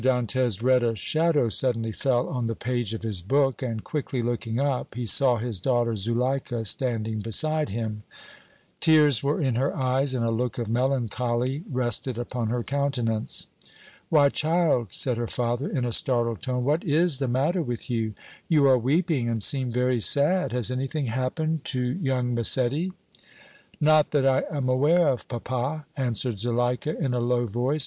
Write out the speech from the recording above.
Dantès read a shadow suddenly fell on the page of his book, and quickly looking up he saw his daughter Zuleika standing beside him; tears were in her eyes and a look of melancholy rested upon her countenance. "Why child," said her father, in a startled tone, "what is the matter with you? You are weeping and seem very sad. Has anything happened to young Massetti?" "Not that I am aware of, papa," answered Zuleika, in a low voice.